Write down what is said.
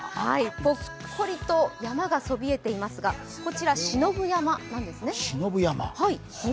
ぽっこりと山がそびえていますがこちら信夫山なんですね。